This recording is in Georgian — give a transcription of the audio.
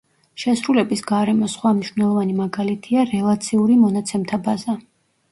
შესრულების გარემოს სხვა მნიშვნელოვანი მაგალითია რელაციური მონაცემთა ბაზა.